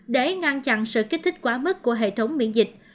để ngăn chặn sự kích thích quá mức của hệ thống miễn dịch